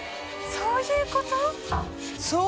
そういうこと？